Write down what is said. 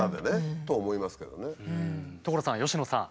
所さん佳乃さん。